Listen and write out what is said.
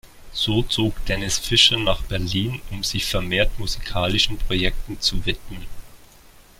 So zog Denis Fischer nach Berlin, um sich vermehrt musikalischen Projekten zu widmen.